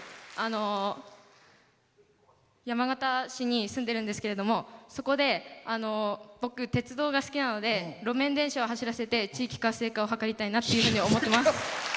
山形市に住んでるんですけどそこで僕、鉄道が好きなので路面電車を走らせて地域活性化を図りたいなと思っています。